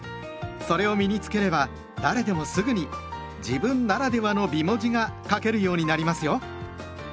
それを身に付ければ誰でもすぐに「自分ならではの美文字」が書けるようになりますよ。